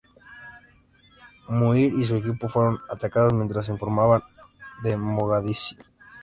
Muir y su equipo fueron atacados mientras informaban de Mogadiscio.